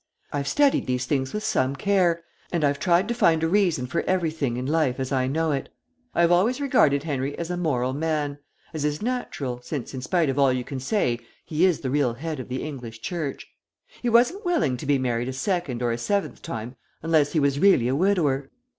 I've studied these things with some care, and I've tried to find a reason for everything in life as I know it. I have always regarded Henry as a moral man as is natural, since in spite of all you can say he is the real head of the English Church. He wasn't willing to be married a second or a seventh time unless he was really a widower.